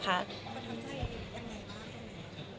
ประทับใจยังไงบ้าง